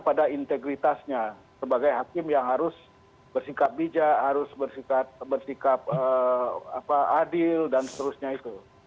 pada integritasnya sebagai hakim yang harus bersikap bijak harus bersikap adil dan seterusnya itu